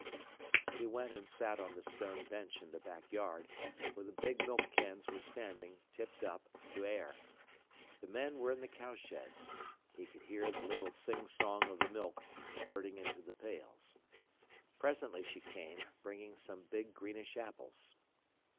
He went and sat on the stone bench in the back yard, where the big milk cans were standing, tipped up, to air. The men were in the cowsheds. He could hear the little sing song of the milk spurting into the pails. Presently she came, bringing some big greenish apples.